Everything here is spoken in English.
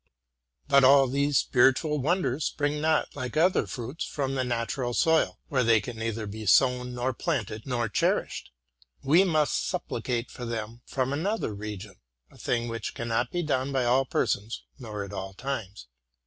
But all these spiritual wonders spring not, like other fruits, from the natural soil, where they can neither be sown nor planted nor cherished. We must supplicate for them from another region, —a thing which cannot be done by all persons nor at all times.